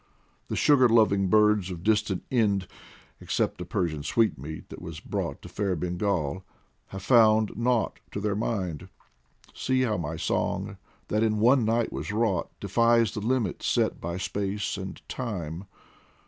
The sugar loving birds of distant Ind, Except a Persian sweetmeat that was brought To fair Bengal, have found nought to their mind. See how my song, that in one night was wrought, Defies the limits set by space and time